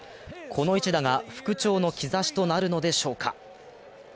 この一打が復調の兆しとなるのでしょうか。